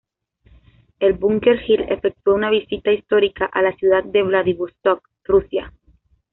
El Bunker Hill efectuó una visita histórica a la ciudad de Vladivostok, Rusia.